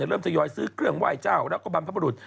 เริ่มทยอยซื้อเครื่องไหว้เจ้าแล้วก็บรรพบรุษ